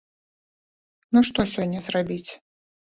Ну што сёння зрабіць?